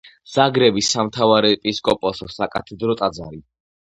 ზაგრების სამთავარეპისკოპოსოს საკათედრო ტაძარი.